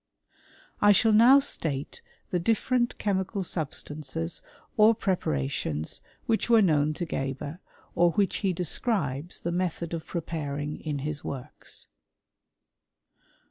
I shall now state the different chemical substances ®r preparations which were known to Geber, or which he describes the method of preparing in his works.